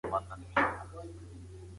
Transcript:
دوه او دوه څلور ویل د ساینسي قاطعیت نښه ده.